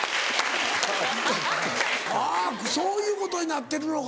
あぁそういうことになってるのかこれ。